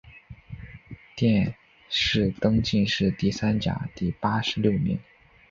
殿试登进士第三甲第八十六名。